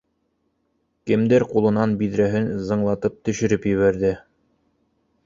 Кемдер ҡулынан биҙрәһен зыңлатып төшөрөп ебәрҙе